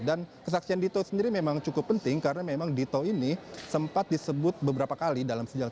dan kesaksian dito sendiri memang cukup penting karena memang dito ini sempat disebut beberapa kali dalam sejarah